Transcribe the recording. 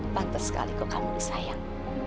pantas sekali kok kamu disayang